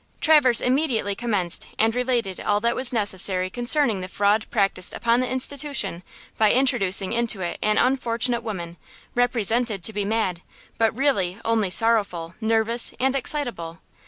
Traverse immediately commenced and related all that was necessary concerning the fraud practiced upon the institution by introducing into it an unfortunate woman, represented to be mad, but really only sorrowful, nervous and excitable.